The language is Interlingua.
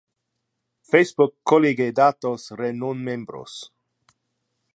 Facebook collige datos re non-membros.